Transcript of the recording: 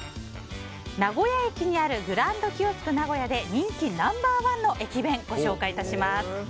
名古屋駅にあるグランドキヨスク名古屋で人気ナンバー１の駅弁をご紹介致します。